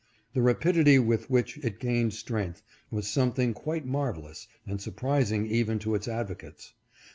The rapidity with which it gained strength was something quite marvelous and surprising even to its advocates.